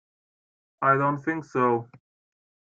I don't think so.